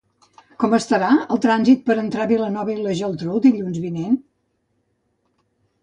Com estarà el trànsit per entrar a Vilanova i la Geltrú el dilluns vinent?